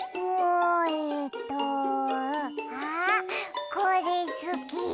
えとあっこれすき。